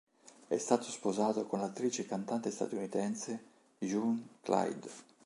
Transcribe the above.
È stato sposato con l'attrice e cantante statunitense June Clyde.